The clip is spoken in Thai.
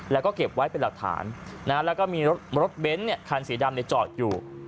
แล้วก็เก็บไว้เป็นรัฐฐานแล้วก็มีรถเบ้นท์เนี่ยฮารสีดำในจอดอยู่